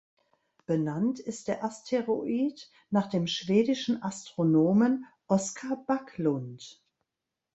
Benannt ist der Asteroid nach dem schwedischen Astronomen Oskar Backlund.